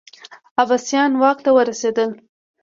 عباسیان واک ته ورسېدل